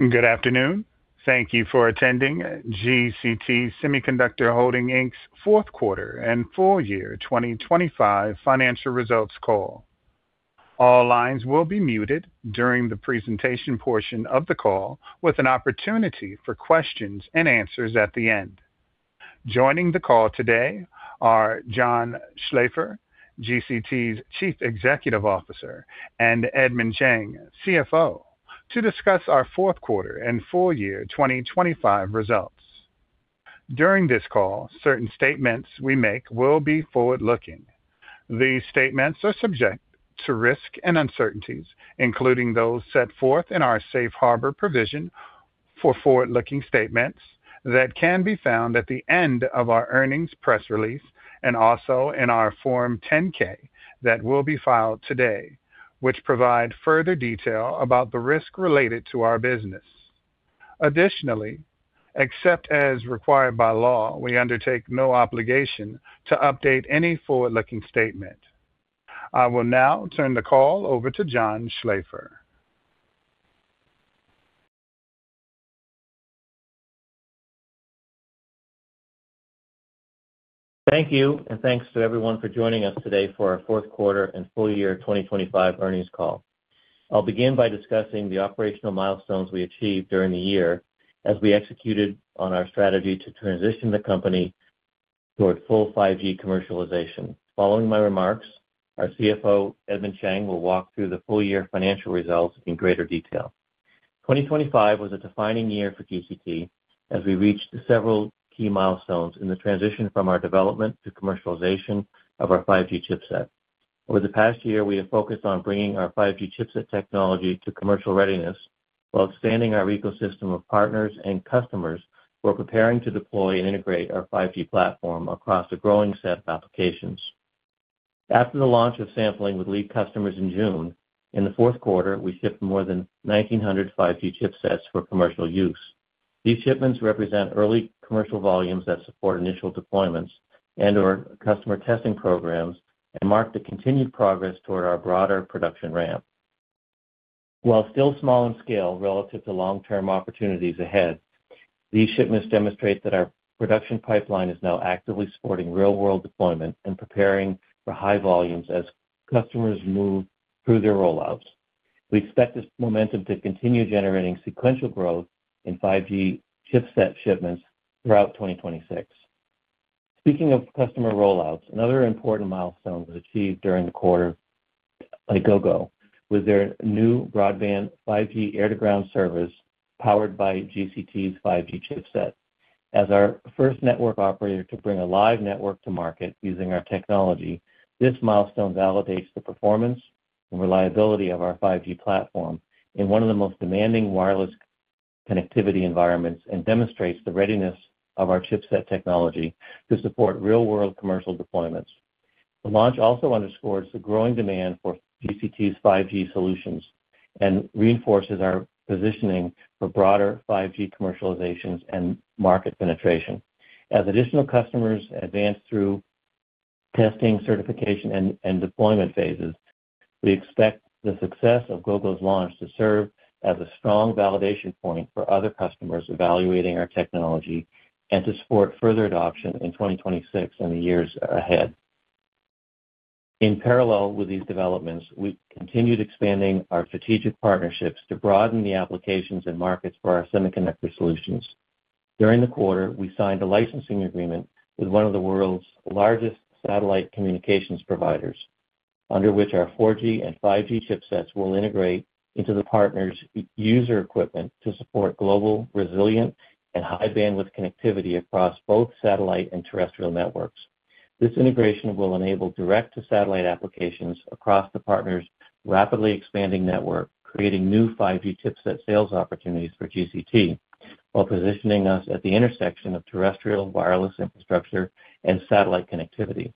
Good afternoon. Thank you for attending GCT Semiconductor Holding, Inc.'s Q4 and full year 2025 financial results call. All lines will be muted during the presentation portion of the call with an opportunity for questions and answers at the end. Joining the call today are John Schlaefer, GCT's Chief Executive Officer, and Edmond Cheng, CFO, to discuss our Q4 and full year 2025 results. During this call, certain statements we make will be forward-looking. These statements are subject to risks and uncertainties, including those set forth in our safe harbor provision for forward-looking statements that can be found at the end of our earnings press release and also in our Form 10-K that will be filed today, which provide further detail about the risks related to our business. Additionally, except as required by law, we undertake no obligation to update any forward-looking statement. I will now turn the call over to John Schlaefer. Thank you, and thanks to everyone for joining us today for our Q4 and full year 2025 earnings call. I'll begin by discussing the operational milestones we achieved during the year as we executed on our strategy to transition the company towards full 5G commercialization. Following my remarks, our CFO, Edmond Cheng, will walk through the full year financial results in greater detail. 2025 was a defining year for GCT as we reached several key milestones in the transition from our development to commercialization of our 5G chipset. Over the past year, we have focused on bringing our 5G chipset technology to commercial readiness while expanding our ecosystem of partners and customers who are preparing to deploy and integrate our 5G platform across a growing set of applications. After the launch of sampling with lead customers in June, in Q4 we shipped more than 1,900 5G chipsets for commercial use. These shipments represent early commercial volumes that support initial deployments and/or customer testing programs and mark the continued progress toward our broader production ramp. While still small in scale relative to long-term opportunities ahead, these shipments demonstrate that our production pipeline is now actively supporting real-world deployment and preparing for high volumes as customers move through their rollouts. We expect this momentum to continue generating sequential growth in 5G chipset shipments throughout 2026. Speaking of customer rollouts, another important milestone was achieved during the quarter by Gogo with their new broadband 5G air-to-ground service powered by GCT's 5G chipset. As our first network operator to bring a live network to market using our technology, this milestone validates the performance and reliability of our 5G platform in one of the most demanding wireless connectivity environments and demonstrates the readiness of our chipset technology to support real-world commercial deployments. The launch also underscores the growing demand for GCT's 5G solutions and reinforces our positioning for broader 5G commercializations and market penetration. As additional customers advance through testing, certification, and deployment phases, we expect the success of Gogo's launch to serve as a strong validation point for other customers evaluating our technology and to support further adoption in 2026 and the years ahead. In parallel with these developments, we continued expanding our strategic partnerships to broaden the applications and markets for our semiconductor solutions. During the quarter, we signed a licensing agreement with one of the world's largest satellite communications providers, under which our 4G and 5G chipsets will integrate into the partner's user equipment to support global resilience and high bandwidth connectivity across both satellite and terrestrial networks. This integration will enable direct-to-satellite applications across the partner's rapidly expanding network, creating new 5G chipset sales opportunities for GCT while positioning us at the intersection of terrestrial wireless infrastructure and satellite connectivity.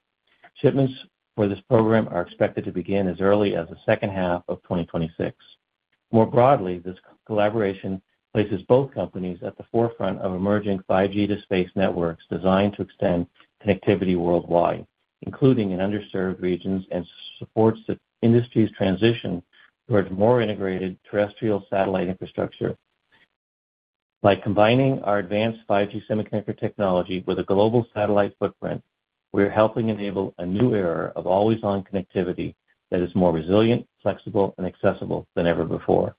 Shipments for this program are expected to begin as early as the second half of 2026. More broadly, this collaboration places both companies at the forefront of emerging 5G to space networks designed to extend connectivity worldwide, including in underserved regions, and supports the industry's transition towards more integrated terrestrial satellite infrastructure. By combining our advanced 5G semiconductor technology with a global satellite footprint, we are helping enable a new era of always-on connectivity that is more resilient, flexible, and accessible than ever before.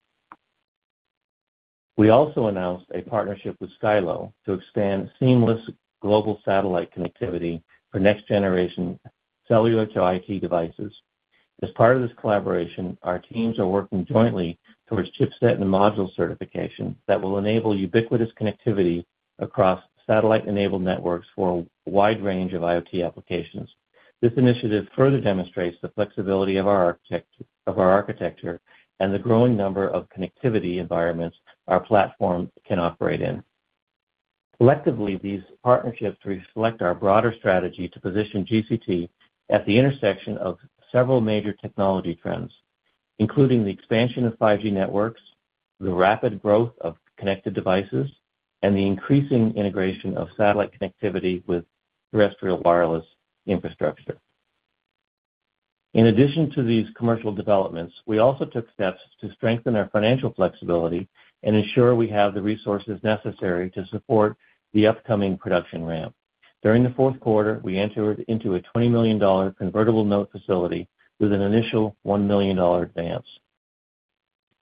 We also announced a partnership with Skylo to expand seamless global satellite connectivity for next-generation cellular IoT devices. As part of this collaboration, our teams are working jointly towards chipset and module certification that will enable ubiquitous connectivity across satellite-enabled networks for a wide range of IoT applications. This initiative further demonstrates the flexibility of our architecture and the growing number of connectivity environments our platform can operate in. Collectively, these partnerships reflect our broader strategy to position GCT at the intersection of several major technology trends, including the expansion of 5G networks, the rapid growth of connected devices, and the increasing integration of satellite connectivity with terrestrial wireless infrastructure. In addition to these commercial developments, we also took steps to strengthen our financial flexibility and ensure we have the resources necessary to support the upcoming production ramp. During Q4, we entered into a $20 million convertible note facility with an initial $1 million advance.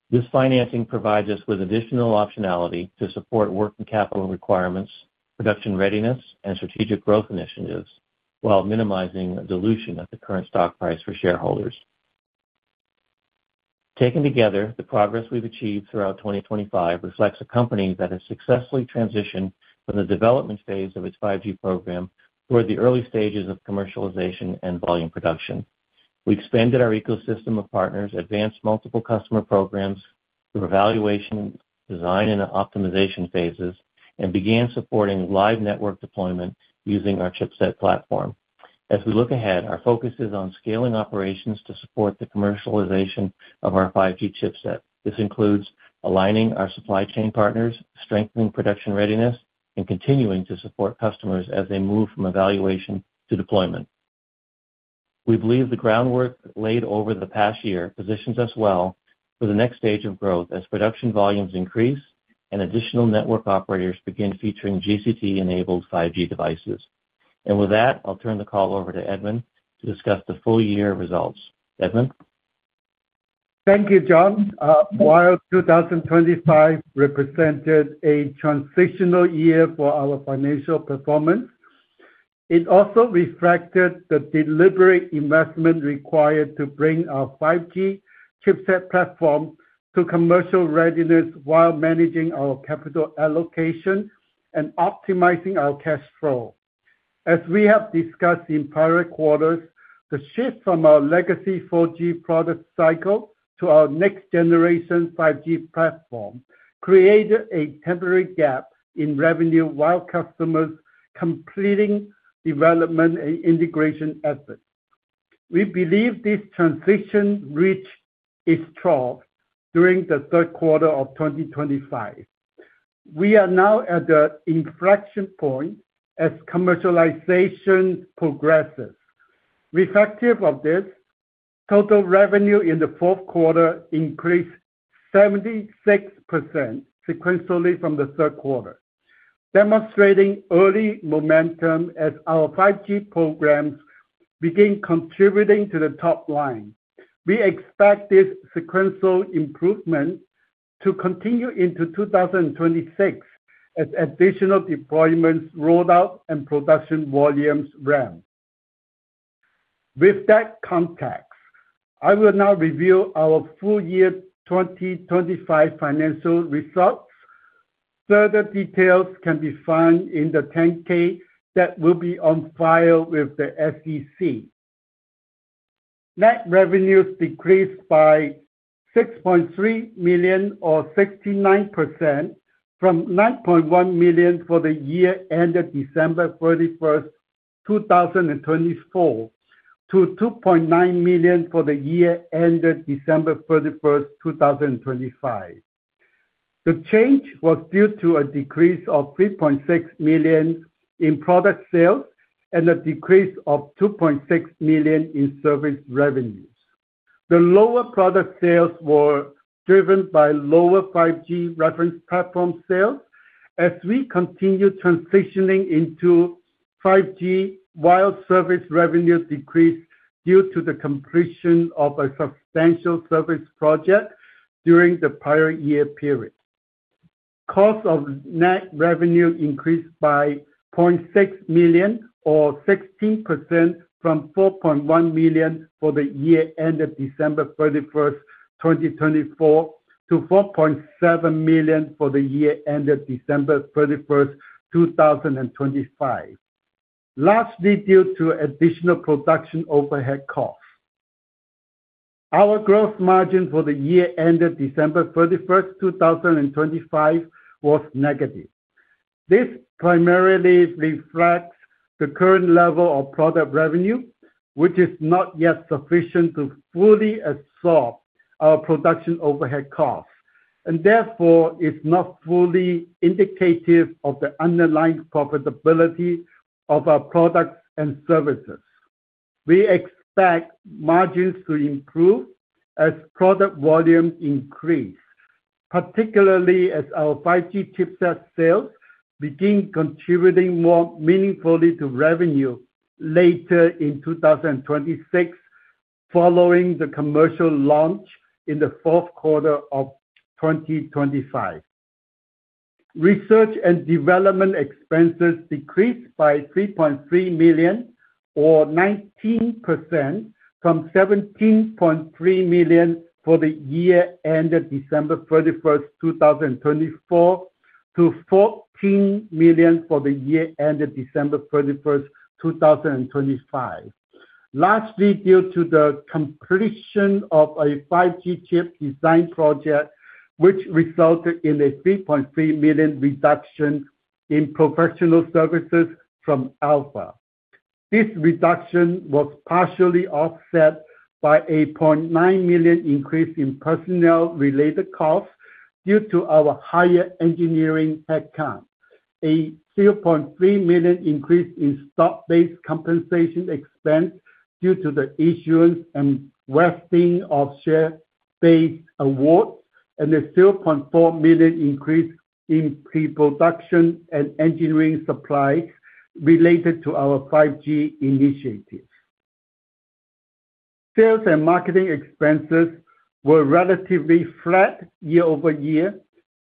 This financing provides us with additional optionality to support working capital requirements, production readiness, and strategic growth initiatives while minimizing dilution at the current stock price for shareholders. Taken together, the progress we've achieved throughout 2025 reflects a company that has successfully transitioned from the development phase of its 5G program toward the early stages of commercialization and volume production. We expanded our ecosystem of partners, advanced multiple customer programs through evaluation, design, and optimization phases, and began supporting live network deployment using our chipset platform. As we look ahead, our focus is on scaling operations to support the commercialization of our 5G chipset. This includes aligning our supply chain partners, strengthening production readiness, and continuing to support customers as they move from evaluation to deployment. We believe the groundwork laid over the past year positions us well for the next stage of growth as production volumes increase and additional network operators begin featuring GCT-enabled 5G devices. With that, I'll turn the call over to Edmond to discuss the full year results. Edmond? Thank you, John. While 2025 represented a transitional year for our financial performance, it also reflected the deliberate investment required to bring our 5G chipset platform to commercial readiness while managing our capital allocation and optimizing our cash flow. As we have discussed in prior quarters, the shift from our legacy 4G product cycle to our next-generation 5G platform created a temporary gap in revenue while customers completing development and integration efforts. We believe this transition reached its trough during Q3 of 2025. We are now at the inflection point as commercialization progresses. Reflective of this, total revenue in Q4 increased 76% sequentially from Q3, demonstrating early momentum as our 5G programs begin contributing to the top line. We expect this sequential improvement to continue into 2026 as additional deployments roll out and production volumes ramp. With that context, I will now review our full year 2025 financial results. Further details can be found in the 10-K that will be on file with the SEC. Net revenues decreased by $6.3 million or 69% from $9.1 million for the year ended December 31st, 2024 to $2.9 million for the year ended December 31st, 2025. The change was due to a decrease of $3.6 million in product sales and a decrease of $2.6 million in service revenues. The lower product sales were driven by lower 5G reference platform sales as we continue transitioning into 5G, while service revenues decreased due to the completion of a substantial service project during the prior year period. Cost of net revenue increased by $0.6 million or 16% from $4.1 million for the year ended December 31st, 2024 to $4.7 million for the year ended December 31st, 2025, largely due to additional production overhead costs. Our gross margin for the year ended December 31st, 2025 was negative. This primarily reflects the current level of product revenue, which is not yet sufficient to fully absorb our production overhead costs and therefore is not fully indicative of the underlying profitability of our products and services. We expect margins to improve as product volumes increase, particularly as our 5G chipset sales begin contributing more meaningfully to revenue later in 2026, following the commercial launch in Q4 of 2025. Research and development expenses decreased by $3.3 million or 19% from $17.3 million for the year ended December 31st, 2024 to $14 million for the year ended December 31st, 2025. Lastly, due to the completion of a 5G chip design project, which resulted in a $3.3 million reduction in professional services from Alpha. This reduction was partially offset by a $0.9 million increase in personnel-related costs due to our higher engineering headcount, a $0.3 million increase in stock-based compensation expense due to the issuance and vesting of share-based awards, and a $0.4 million increase in pre-production and engineering supply related to our 5G initiatives. Sales and marketing expenses were relatively flat year-over-year,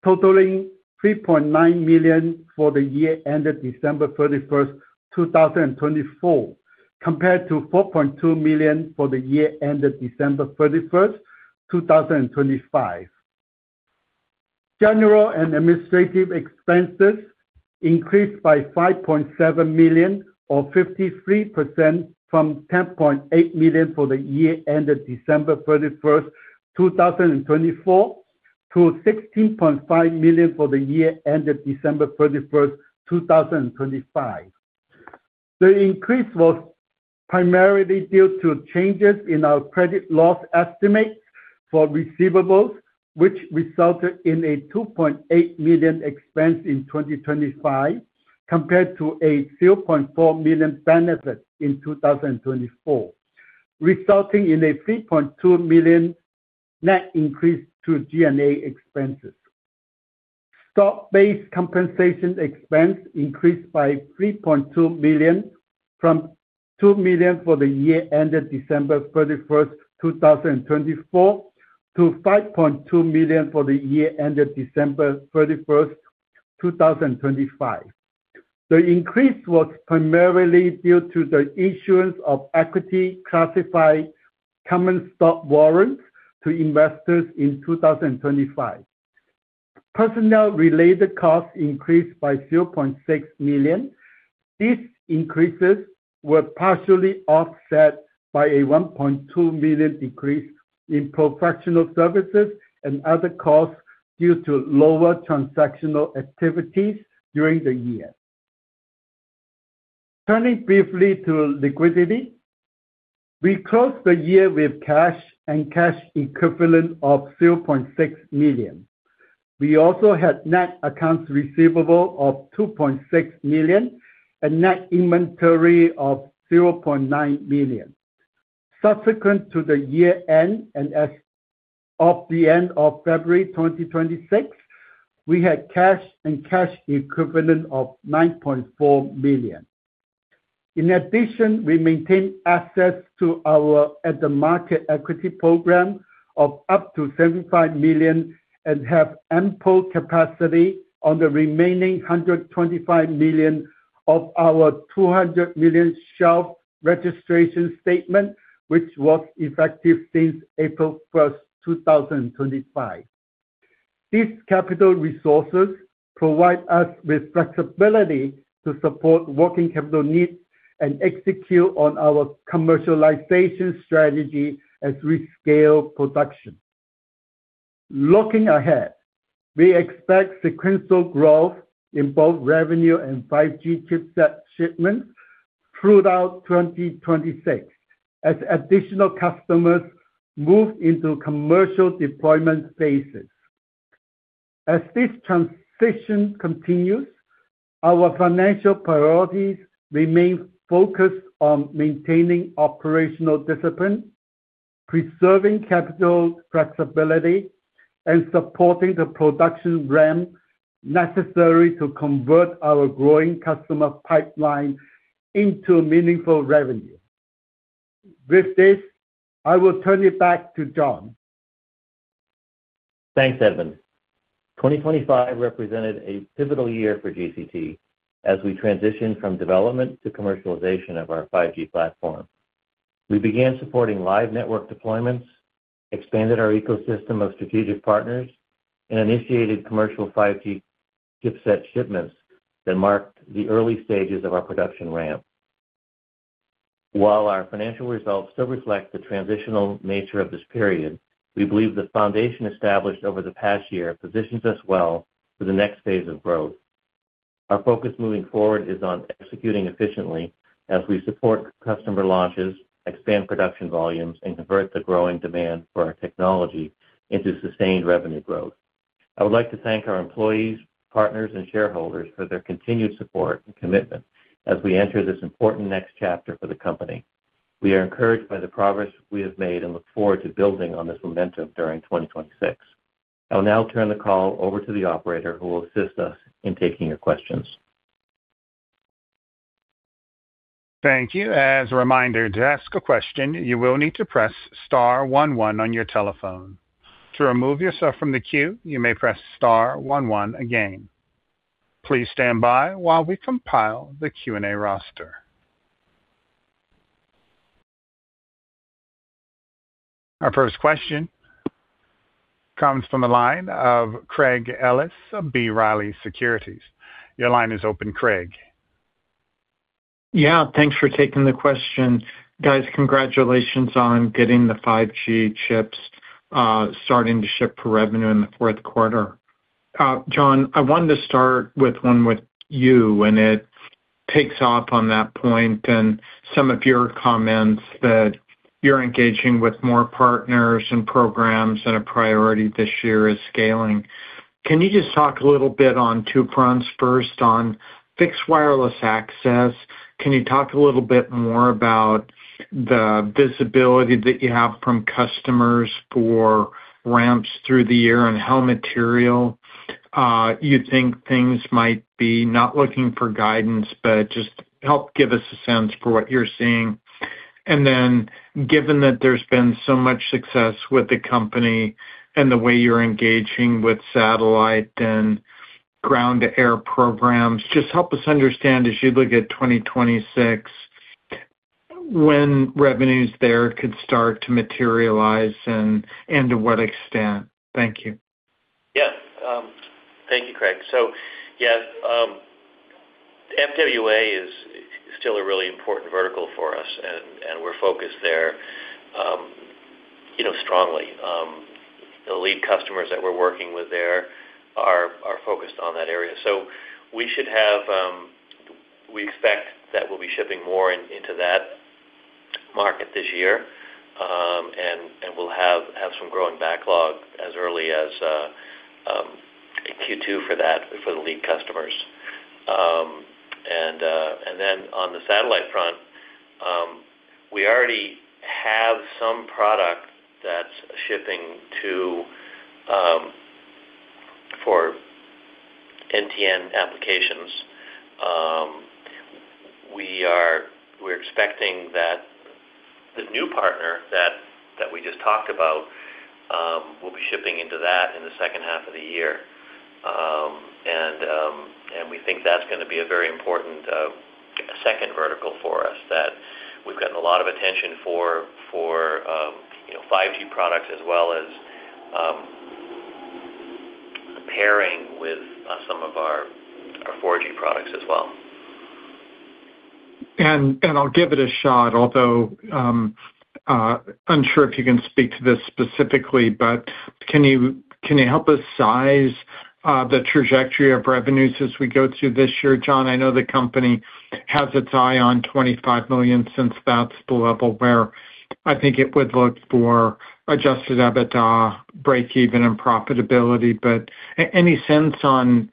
totaling $3.9 million for the year ended December 31st, 2024, compared to $4.2 million for the year ended December 31st, 2025. General and Administrative expenses increased by $5.7 million or 53% from $10.8 million for the year ended December 31st, 2024 to $16.5 million for the year ended December 31st, 2025. The increase was primarily due to changes in our credit loss estimate for receivables, which resulted in a $2.8 million expense in 2025 compared to a $0.4 million benefit in 2024, resulting in a $3.2 million net increase to G&A expenses. Stock-based compensation expense increased by $3.2 million from $2 million for the year ended December 31st, 2024 to $5.2 million for the year ended December 31st, 2025. The increase was primarily due to the issuance of equity-classified common stock warrants to investors in 2025. Personnel-related costs increased by $0.6 million. These increases were partially offset by a $1.2 million decrease in professional services and other costs due to lower transactional activities during the year. Turning briefly to liquidity. We closed the year with cash and cash equivalent of $0.6 million. We also had net accounts receivable of $2.6 million and net inventory of $0.9 million. Subsequent to the year-end and as of the end of February 2026, we had cash and cash equivalent of $9.4 million. In addition, we maintain access at-the-market equity program of up to $75 million and have ample capacity on the remaining $125 million of our $200 million shelf registration statement, which was effective since April 1st, 2025. These capital resources provide us with flexibility to support working capital needs and execute on our commercialization strategy as we scale production. Looking ahead, we expect sequential growth in both revenue and 5G chipset shipments throughout 2026 as additional customers move into commercial deployment phases. As this transition continues, our financial priorities remain focused on maintaining operational discipline, preserving capital flexibility, and supporting the production ramp necessary to convert our growing customer pipeline into meaningful revenue. With this, I will turn it back to John. Thanks, Edmond. 2025 represented a pivotal year for GCT as we transitioned from development to commercialization of our 5G platform. We began supporting live network deployments, expanded our ecosystem of strategic partners, and initiated commercial 5G chipset shipments that marked the early stages of our production ramp. While our financial results still reflect the transitional nature of this period, we believe the foundation established over the past year positions us well for the next phase of growth. Our focus moving forward is on executing efficiently as we support customer launches, expand production volumes, and convert the growing demand for our technology into sustained revenue growth. I would like to thank our employees, partners, and shareholders for their continued support and commitment as we enter this important next chapter for the company. We are encouraged by the progress we have made and look forward to building on this momentum during 2026. I will now turn the call over to the operator, who will assist us in taking your questions. Our first question comes from the line of Craig Ellis of B. Riley Securities. Your line is open, Craig. Yes, thanks for taking the question. Guys, congratulations on getting the 5G chips starting to ship for revenue in Q4. John, I wanted to start with one with you, and it takes off on that point and some of your comments that you're engaging with more partners and programs and a priority this year is scaling. Can you just talk a little bit on two fronts? First, on Fixed Wireless Access, can you talk a little bit more about the visibility that you have from customers for ramps through the year and how material you think things might be, not looking for guidance, but just help give us a sense for what you're seeing. Given that there's been so much success with the company and the way you're engaging with satellite and ground-to-air programs, just help us understand as you look at 2026, when revenues there could start to materialize and to what extent? Thank you. Yes. Thank you, Craig. FWA is still a really important vertical for us, and we're focused there strongly. The lead customers that we're working with there are focused on that area. We expect that we'll be shipping more into that market this year, and we'll have some growing backlog as early as Q2 for the lead customers. Then on the satellite front, we already have some product that's shipping for NTN applications. We're expecting that the new partner that we just talked about will be shipping into that in the second half of the year. We think that's going to be a very important second vertical for us that we've gotten a lot of attention for 5G products as well as pairing with some of our 4G products as well. I'll give it a shot, although unsure if you can speak to this specifically, but can you help us size the trajectory of revenues as we go through this year, John? I know the company has its eye on $25 million since that's the level where I think it would look for adjusted EBITDA breakeven and profitability. Any sense on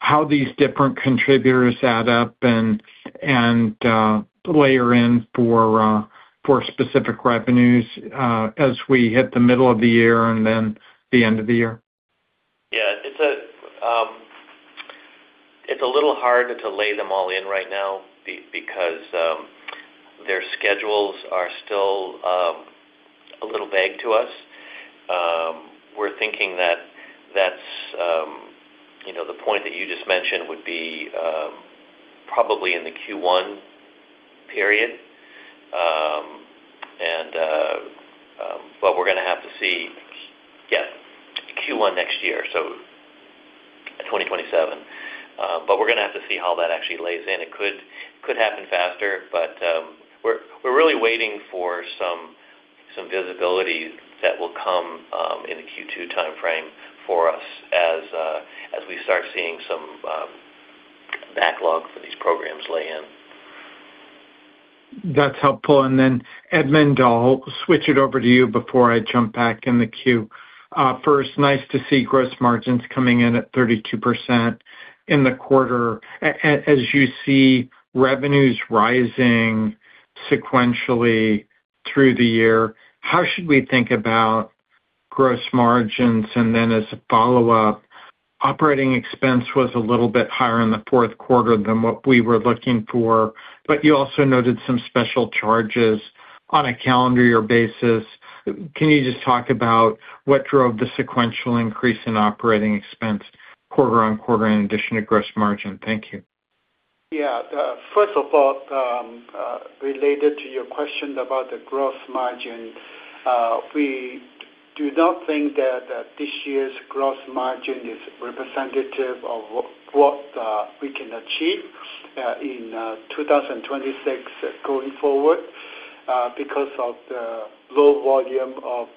how these different contributors add up and layer in for specific revenues as we hit the middle of the year and then the end of the year? Yes. It's a little hard to lay them all in right now because their schedules are still a little vague to us. We're thinking that the point that you just mentioned would be probably in the Q1 period. We're going to have to see Q1 next year, so 2027. We're going to have to see how that actually lays in. It could happen faster, but we're really waiting for some visibility that will come in the Q2 timeframe for us as we start seeing some backlog for these programs lay in. That's helpful. Edmond Cheng, I'll switch it over to you before I jump back in the queue. First, nice to see gross margins coming in at 32% in the quarter. As you see revenues rising sequentially through the year, how should we think about gross margins? As a follow-up, operating expense was a little bit higher in Q4 than what we were looking for, but you also noted some special charges on a calendar year basis. Can you just talk about what drove the sequential increase in operating expense quarter-on-quarter in addition to gross margin? Thank you. Yes. First of all, related to your question about the gross margin, we do not think that this year's gross margin is representative of what we can achieve in 2026 going forward, because of the low volume of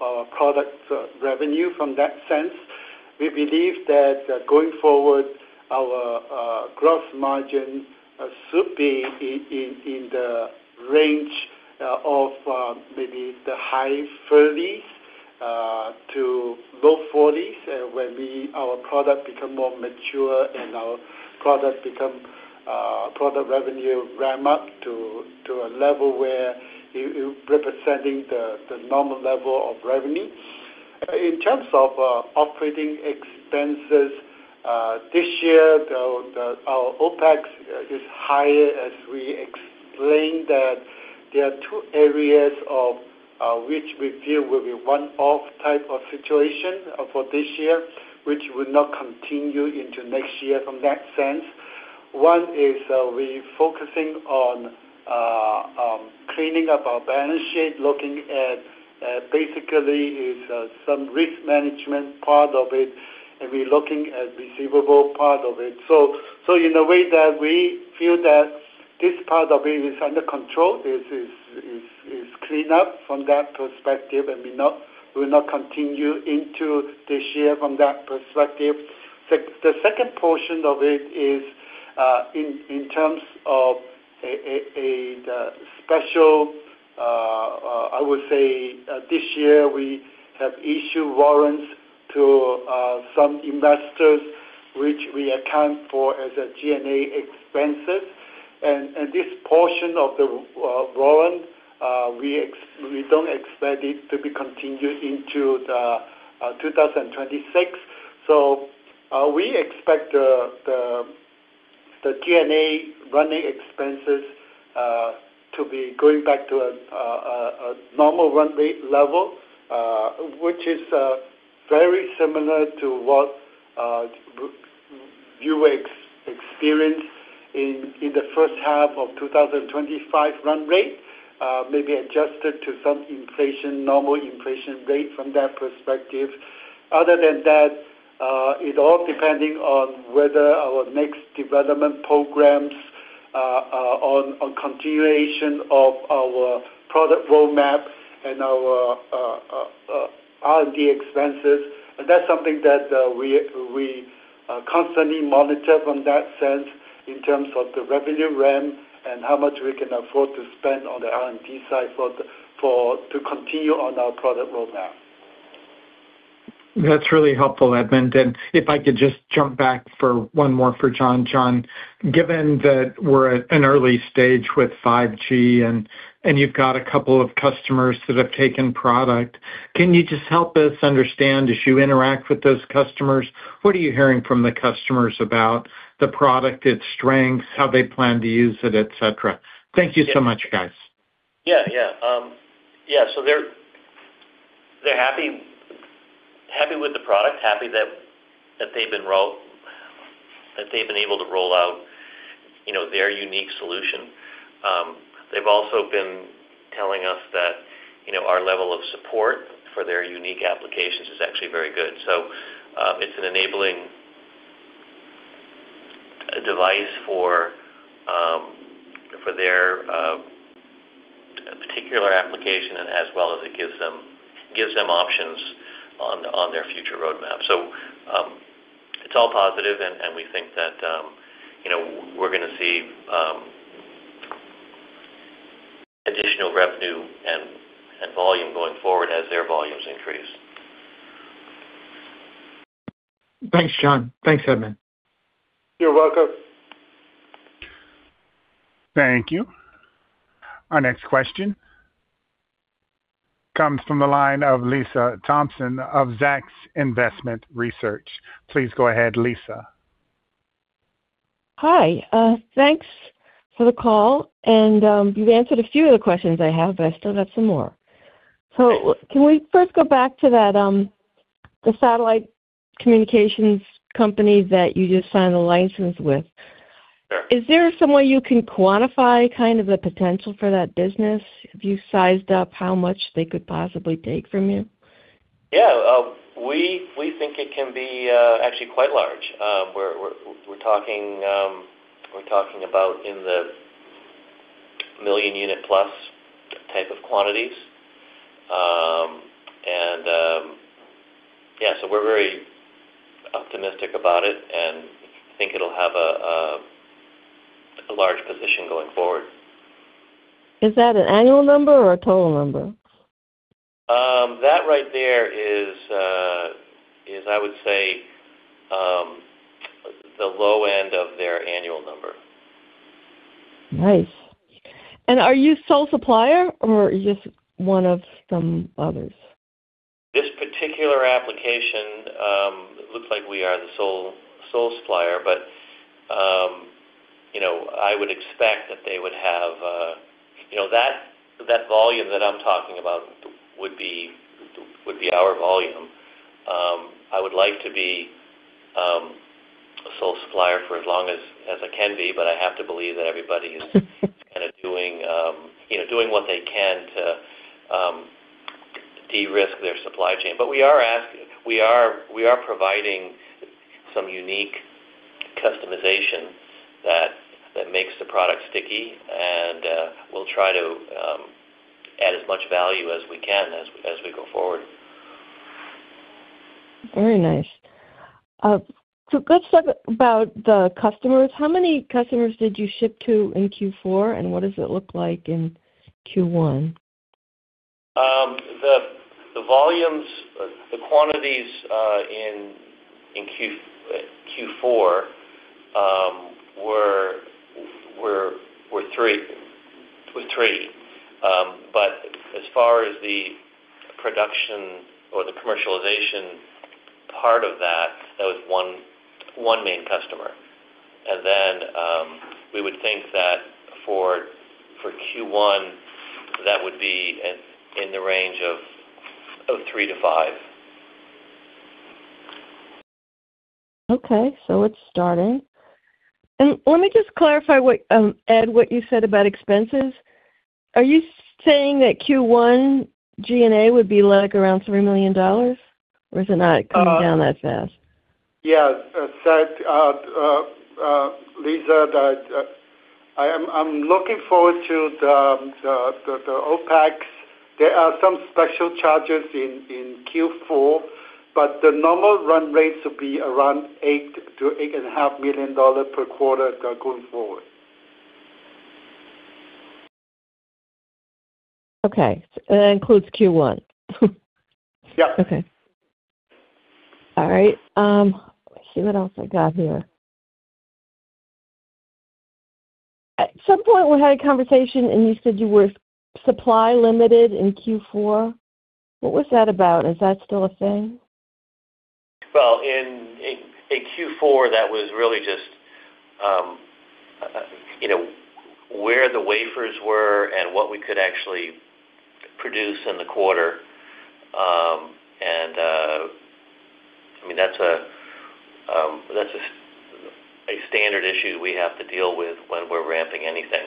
our product's revenue in that sense. We believe that going forward, our gross margin should be in the range of maybe high 30s to low 40s, when our product become more mature and product revenue ramp up to a level where it representing the normal level of revenue. In terms of operating expenses, this year our OPEX is higher as we explain that there are two areas of which we feel will be one-off type of situation for this year, which will not continue into next year from that sense. One is we're focusing on cleaning up our balance sheet, looking at basically is some risk management part of it, and we're looking at receivable part of it. In a way that we feel that this part of it is under control. It is clean up from that perspective, and we will not continue into this year from that perspective. The second portion of it is, in terms of the special, I would say this year we have issued warrants to some investors which we account for as G&A expenses. This portion of the warrant, we don't expect it to be continued into the 2026. We expect the G&A running expenses to be going back to a normal run rate level, which is very similar to what you experience in the first half of 2025 run rate, maybe adjusted to some inflation, normal inflation rate from that perspective. Other than that, it all depending on whether our next development programs, on continuation of our product roadmap and our R&D expenses. That's something that we constantly monitor in that sense in terms of the revenue ramp and how much we can afford to spend on the R&D side to continue on our product roadmap. That's really helpful, Edmond. If I could just jump back for one more for John. John, given that we're at an early stage with 5G and you've got a couple of customers that have taken product, can you just help us understand, as you interact with those customers, what are you hearing from the customers about the product, its strengths, how they plan to use it, etc? Thank you so much, guys. Yes. They're happy with the product, happy that they've been able to roll out their unique solution. They've also been telling us that our level of support for their unique applications is actually very good. It's an enabling device for their particular application, and it gives them options on their future roadmap. It's all positive, and we think that we're going to see additional revenue and volume going forward as their volumes increase. Thanks, John. Thanks, Edmond. You're welcome. Thank you. Our next question comes from the line of Lisa Thompson of Zacks Investment Research. Please go ahead, Lisa. Hi. Thanks for the call. You've answered a few of the questions I have, but I still got some more. Can we first go back to that the satellite communications company that you just signed a license with? Is there some way you can quantify the potential for that business? Have you sized up how much they could possibly take from you? Yes. We think it can be actually quite large. We're talking about in the million unit plus type of quantities. We're very optimistic about it and think it'll have a large position going forward. Is that an annual number or a total number? That right there is, I would say, the low end of their annual number. Nice. Are you sole supplier or just one of some others? This particular application looks like we are the sole supplier. I would expect that they would have... That volume that I'm talking about would be our volume. I would like to be a sole supplier for as long as I can be. I have to believe that everybody is doing what they can to de-risk their supply chain. We are providing some unique customization that makes the product sticky, and we'll try to add as much value as we can as we go forward. Very nice. Let's talk about the customers. How many customers did you ship to in Q4, and what does it look like in Q1? The volumes, the quantities in Q4 were three. But as far as the production or the commercialization part of that was one main customer. We would think that for Q1, that would be in the range of three to five. It's starting. Let me just clarify, Ed, what you said about expenses. Are you saying that Q1 G&A would be like around $3 million or is it not coming down that fast? Yes, Lisa, I'm looking forward to the OPEX. There are some special charges in Q4, but the normal run rate should be around $8 million-$8.5 million per quarter going forward. Okay. That includes Q1. Yes. Okay. All right. Let's see what else I got here. At some point, we had a conversation, and you said you were supply limited in Q4. What was that about? Is that still a thing? In Q4, that was really just where the wafers were and what we could actually produce in the quarter. That's a standard issue that we have to deal with when we're ramping anything.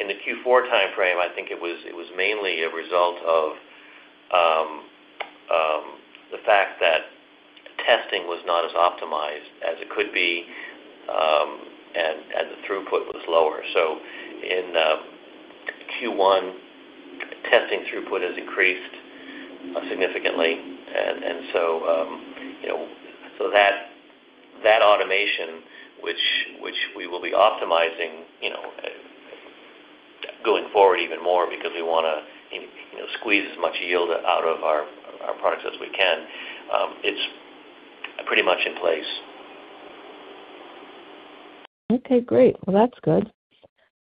In the Q4 timeframe, I think it was mainly a result of the fact that testing was not as optimized as it could be, and the throughput was lower. In Q1, testing throughput has increased significantly. That automation which we will be optimizing going forward even more because we want to squeeze as much yield out of our products as we can, it's pretty much in place. Okay, great. Well, that's good.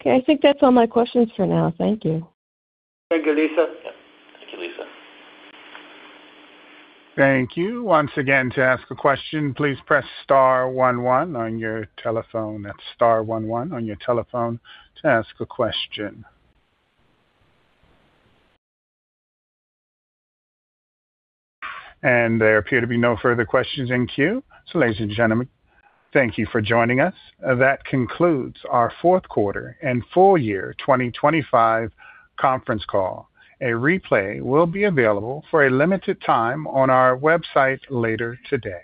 Okay, I think that's all my questions for now. Thank you. Thank you, Lisa. Thank you. Once again, to ask a question, please press star one one on your telephone. That's star one one on your telephone to ask a question. There appear to be no further questions in queue. Ladies and gentlemen, thank you for joining us. That concludes our Q4 and full year 2025 conference call. A replay will be available for a limited time on our website later today.